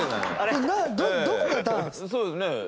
そうですね。